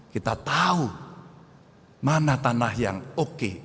kita tahu mana tanah yang oke